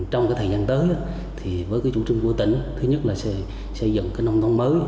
trong thời gian tới với chủ trương của tỉnh thứ nhất là sẽ xây dựng nông thông mới